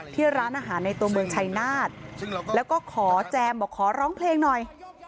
ที่ร้านอาหารในตัวเมืองชัยนาธแล้วก็ขอแจมบอกขอร้องเพลงหน่อย